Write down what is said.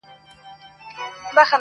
قاسم یار چي په خندا خېژمه دار ته ,